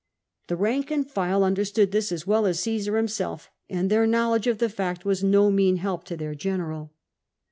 The rank and file understood this as well as Caesar himself, and their knowledge of the fact was no mean help to their general.